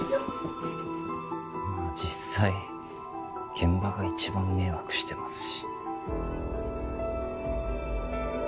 まぁ実際現場が一番迷惑してますし。